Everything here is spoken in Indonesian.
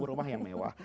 rumah yang mewah